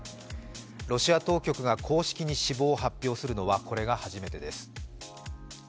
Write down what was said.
ロシア当局が公式に死亡を発表するのはこれが初めてです。